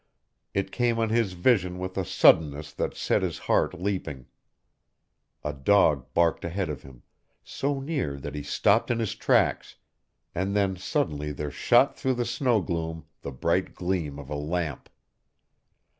It came on his vision with a suddenness that set his heart leaping. A dog barked ahead of him, so near that he stopped in his tracks, and then suddenly there shot through the snow gloom the bright gleam of a lamp.